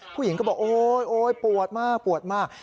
ผู้หญิงก็บอกโอ๊ยปวดมาก